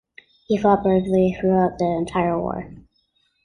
He fought bravely throughout the entire war.